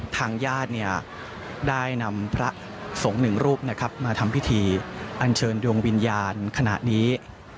ทางญาติได้นำพระสงฆ์หนึ่งรูปนะครับมาทำพิธีอันเชิญดวงวิญญาณขณะนี้